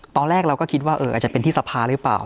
ตอนแรกเราก็คิดว่าอาจจะเป็นที่สภาหรือเปล่า